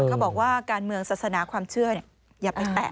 เขาบอกว่าการเมืองศาสนาความเชื่ออย่าไปแตะ